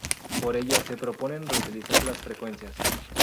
Por ello, se propone reutilizar las frecuencias.